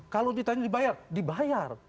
kalau ditanya dibayar dibayar